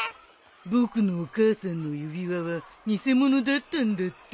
僕のお母さんの指輪は偽物だったんだって。